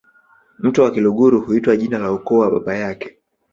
Mtoto wa Kiluguru huitwa jina la ukoo wa baba yake